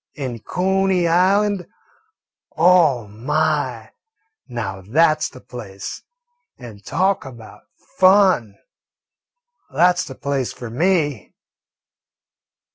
An' Cooney Island oh, my, now that 's the place; and talk about fun! That 's the place for me."